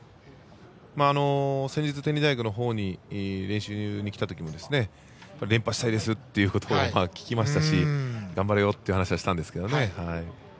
先日、天理大学のほうに練習に来たときも連覇したいですというのを聞きましたし頑張れよという話はしたんですよ。